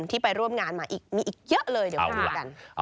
ที่ไปร่วมงานมาอีกมีอีกเยอะเลยเดี๋ยวมาดูกัน